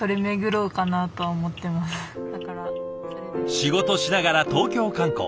仕事しながら東京観光。